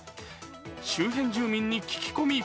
周辺住民に聞き込み。